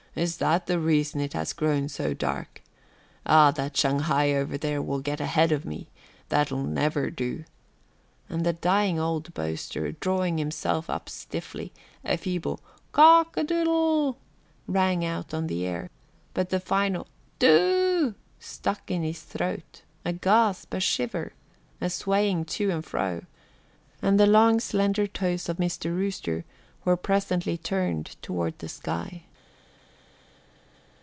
"Is that the reason it has grown so dark? Ah, that Shanghai over there will get ahead of me; that'll never do," and the dying old boaster, drawing himself up stiffly, a feeble "cock a doodle" rang out on the air, but the final "doo" stuck in his throat, a gasp, a shiver, a swaying to and fro, and the long, slender toes of Mr. Rooster were presently turned toward the sky.